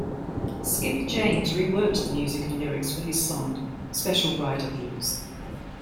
Skip James reworked the music and lyrics for his song "Special Rider Blues".